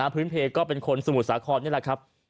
พื้นเพลก็เป็นคนสมุทรสาครนี่แหละครับ